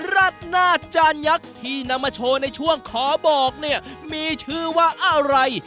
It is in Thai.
ราดหน้าจานยักษ์ที่นำมาโชว์ในช่วงขอบอกเนี่ยมีชื่อว่าอะไร